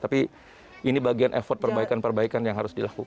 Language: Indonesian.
tapi ini bagian effort perbaikan perbaikan yang harus dilakukan